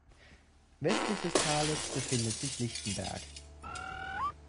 Westlich des Tales befindet sich Lichtenberg.